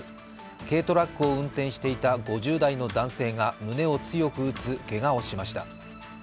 軽トラックを運転していた５０代の男性が胸を強く打つけがをしました。